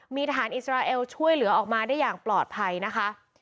มีทหารอิสราเอลช่วยเหลือออกมาได้อย่างปลอดภัยนะคะ